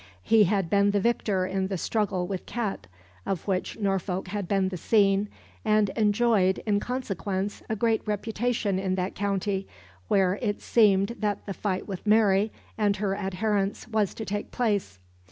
He had been the victor in the struggle with Kett, of which Norfolk had been the scene, and enjoyed, in consequence, a great reputation in that county, where it seemed that the fight with Mary and her adherents was to take place.